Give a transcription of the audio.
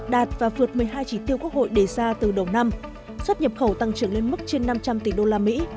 đạt và vượt một mươi hai chỉ tiêu quốc hội đề ra từ đầu năm xuất nhập khẩu tăng trưởng lên mức trên năm trăm linh tỷ usd